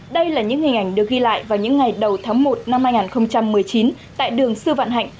đây là những hình ảnh được ghi lại vào những ngày đầu tháng một năm hai nghìn một mươi chín tại đường sư vạn hạnh